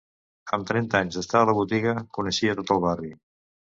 Amb trenta anys d'estar a la botiga, coneixia tot el barri.